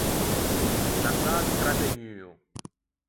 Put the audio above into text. Un assato trattegnuo.